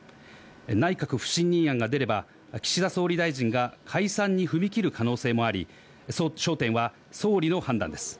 内閣不信任案が出れば岸田総理大臣が解散に踏み切る可能性もあり、焦点は総理の判断です。